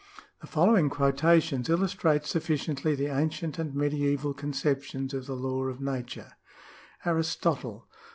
The following quotations illustrate sufficiently the ancient and medieval conceptions of the law of nature :— Aristotle.